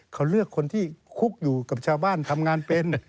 เขาเลือกคนที่คุกอยู่กับชาวบ้านทำงานเป็น